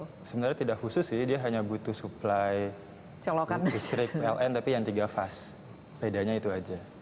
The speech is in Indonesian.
ada ya sebenarnya tidak khusus sih dia hanya butuh supply strip ln tapi yang tiga fast bedanya itu saja